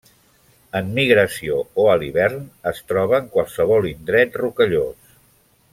En migració o a l'hivern es troba en qualsevol indret rocallós.